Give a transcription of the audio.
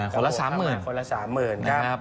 คนละ๓๐๐๐๐บาท